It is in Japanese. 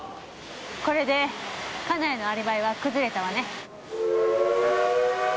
これで金谷のアリバイは崩れたわね。